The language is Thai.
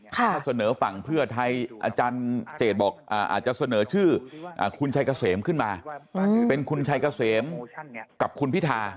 ถ้าเสนอฝั่งเพื่อไทยอาจารย์เจตบอกอาจจะเสนอชื่อคุณชัยเกษมขึ้นมาเป็นคุณชัยเกษมกับคุณพิธา